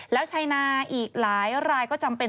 แล้วชายนาอีกหลายรายก็จำเป็น